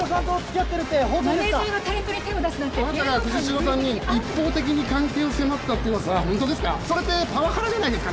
あなたが藤代さんに一方的に関係を迫ったっていううわさは本当ですか？